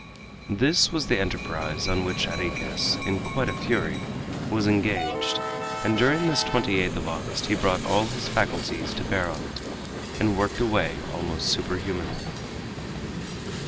This was the enterprise on which Jarriquez, in quite a fury, was engaged, and during this 28th of August he brought all his faculties to bear on it, and worked away almost superhumanly.